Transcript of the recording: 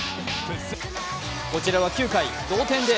こちらは９回、同点で